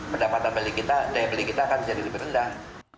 pendapatan beli kita daya beli kita akan jadi lebih rendah